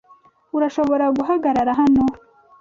Urashobora guhagarara hano?